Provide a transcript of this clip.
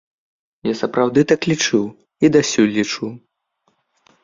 Я сапраўды так лічыў і дасюль лічу.